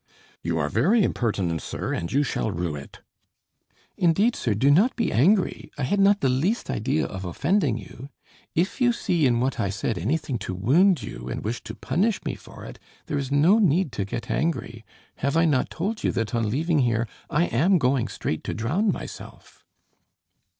"You are very impertinent, sir, and you shall rue it." "Indeed, sir, do not be angry; I had not the least idea of offending you. If you see in what I said anything to wound you, and wish to punish me for it, there is no need to get angry. Have I not told you that on leaving here I am going straight to drown myself?"